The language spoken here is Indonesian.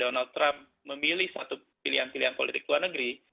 donald trump memilih satu pilihan pilihan politik luar negeri